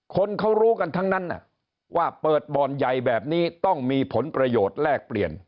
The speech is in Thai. คนเขารู้กันทั้งนั้นว่าเปิดบ่อนใหญ่แบบนี้ต้องมีผลประโยชน์แลกเปลี่ยน